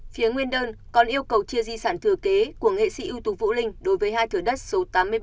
phía nguyên đơn còn yêu cầu chia di sản thừa kế của nghệ sĩ ưu tục vũ linh đối với hai thừa đất số tám mươi bảy tám mươi tám